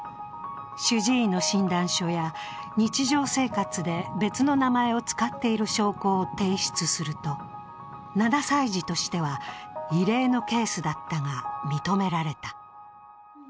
主治医の診断書や日常生活で別の名前を使っている証拠を提出すると、７歳児としては異例のケースだったが認められた。